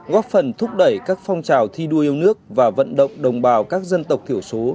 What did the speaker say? góp phần thúc đẩy các phong trào thi đua yêu nước và vận động đồng bào các dân tộc thiểu số